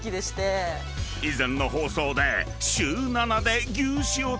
［以前の放送で］